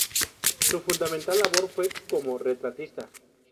Su fundamental labor fue como retratista.